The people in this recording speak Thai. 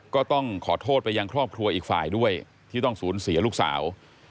ก็ต้องขอโทษไปยังครอบครัวอีกฝ่ายด้วยที่ต้องสูญเสียลูกสาว